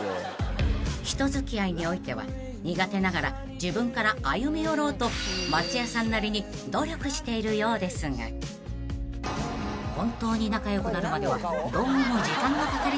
［人付き合いにおいては苦手ながら自分から歩み寄ろうと松也さんなりに努力しているようですが本当に仲良くなるまではどうも時間がかかりそうな感じ］